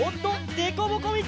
でこぼこみち！